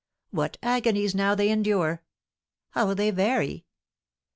What agonies now they endure! How they vary!